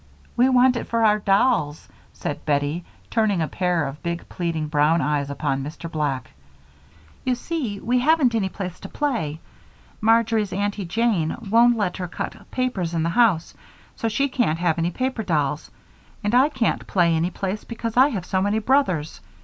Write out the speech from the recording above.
"We want it for our dolls," said Bettie, turning a pair of big pleading brown eyes upon Mr. Black. "You see, we haven't any place to play. Marjory's Aunty Jane won't let her cut papers in the house, so she can't have any paper dolls, and I can't play any place because I have so many brothers.